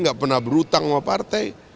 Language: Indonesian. nggak pernah berhutang sama partai